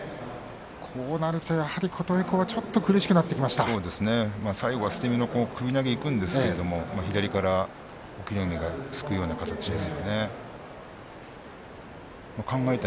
こうなるとやはり琴恵光はちょっと最後は、捨て身の首投げにいくんですが左から隠岐の海がすくうような形ですよね。